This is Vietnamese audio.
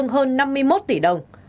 hơn năm mươi một tỷ đồng